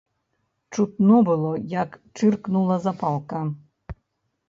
Чутно было, як чыркнула запалка.